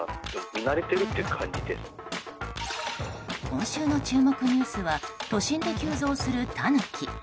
今週の注目ニュースは都心で急増するタヌキ。